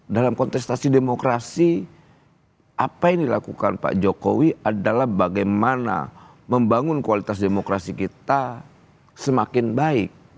dalam kontestasi demokrasi apa yang dilakukan pak jokowi adalah bagaimana membangun kualitas demokrasi kita semakin baik